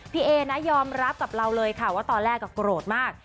เอนะยอมรับกับเราเลยค่ะว่าตอนแรกก็โกรธมาก